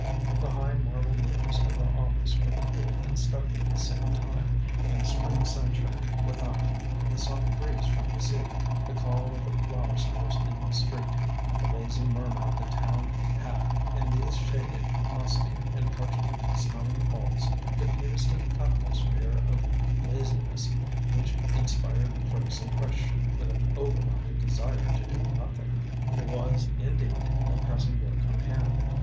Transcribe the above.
The high marble rooms of the office were cool and stuffy at the same time, and the spring sunshine without, the soft breeze from the sea, the call of the flower sellers in the street, and the lazy murmur of the town had, in these shaded, musty, and parchment smelling halls, diffused an atmosphere of laziness which inspired the clerks in question with an overwhelming desire to do nothing. There was, indeed, no pressing work on hand.